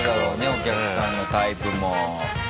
お客さんのタイプも。